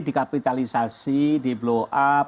dikapitalisasi di blow up